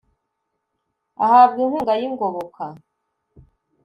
ahabwa inkunga y’ingoboka